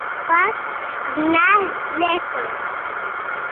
Којзнае по кој пат пораката е компромис.